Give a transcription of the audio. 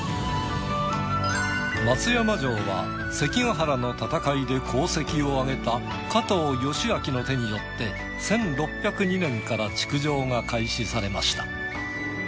松山城は関ケ原の戦いで功績をあげた加藤嘉明の手によって１６０２年から築城が開始されました。